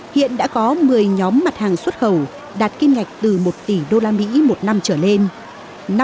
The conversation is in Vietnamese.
hiện đã có một mươi nhóm mặt hàng xuất khẩu đạt kim ngạch từ một tỉ đô la mỹ một năm trở lên